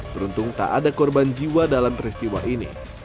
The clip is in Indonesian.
beruntung tak ada korban jiwa dalam peristiwa ini